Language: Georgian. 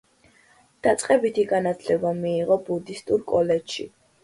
დაწყებითი განათლება მიიღო ბუდისტურ კოლეჯში.